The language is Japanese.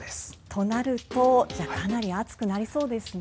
となるとかなり暑くなりそうですね。